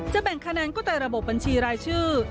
แบ่งคะแนนก็แต่ระบบบัญชีรายชื่อ